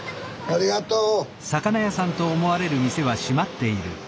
ありがとう！